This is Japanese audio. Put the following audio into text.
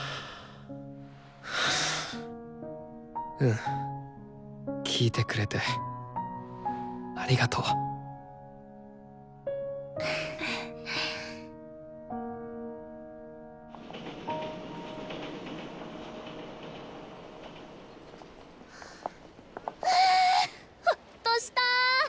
うん聞いてくれてありがとう。はほっとした！